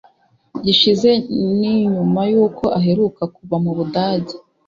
gishize nuyma y'uko aheruka kuva mu Budage.